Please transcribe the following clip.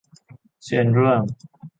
เชิญร่วม